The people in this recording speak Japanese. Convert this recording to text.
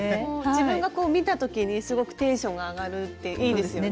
自分がこう見た時にすごくテンションが上がるっていいですよね。